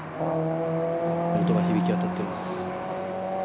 音が響き渡っています。